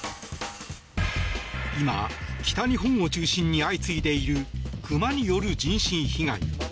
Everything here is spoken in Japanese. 今、北日本を中心に相次いでいる熊による人身被害。